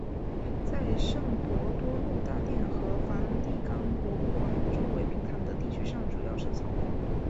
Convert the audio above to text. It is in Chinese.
在圣伯多禄大殿和梵蒂冈博物馆周围平坦的地区上主要是草坪。